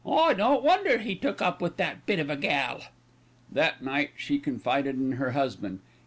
I don't wonder he took up with that bit of a gal." That night she confided in her husband.